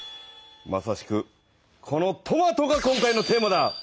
まさしくこのトマトが今回のテーマだ。